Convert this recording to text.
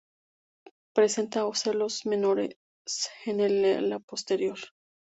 Presenta ocelos menores en el ala posterior.